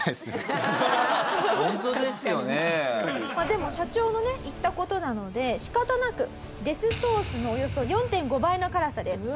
でも社長のね言った事なので仕方なくデスソースのおよそ４．５倍の辛さです